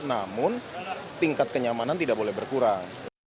namun tingkat kenyamanan tidak boleh berkurang